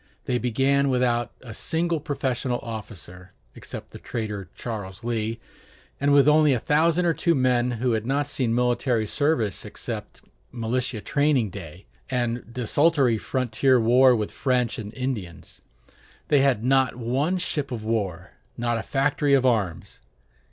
They began without a single professional officer, except the traitor Charles Lee; and with only a thousand or two men who had not seen military service except militia training day, and desultory frontier warfare with French and Indians. They had not one ship of war, not a factory of arms.